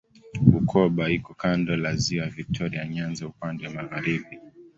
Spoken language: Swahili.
Bukoba iko kando la Ziwa Viktoria Nyanza upande wa magharibi.